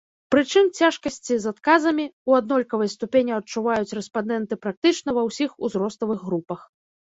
Прычым цяжкасці з адказамі ў аднолькавай ступені адчуваюць рэспандэнты практычна ва ўсіх узроставых групах.